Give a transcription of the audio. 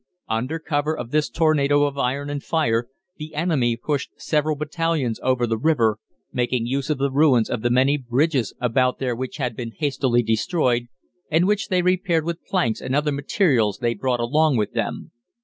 Under cover of this tornado of iron and fire, the enemy pushed several battalions over the river, making use of the ruins of the many bridges about there which had been hastily destroyed, and which they repaired with planks and other materials they brought along with them.